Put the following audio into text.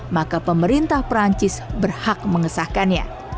maka pemerintah perancis berhak mengesahkannya